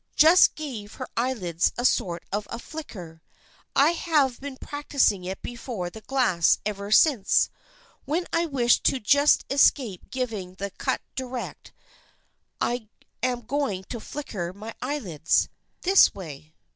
Just gave her eyelids a sort of a flicker. I have been practicing it before the glass ever since. When I wish to just escape giving the cut direct I am going to flicker my eye lids. This way."